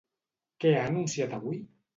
Què ha anunciat avui?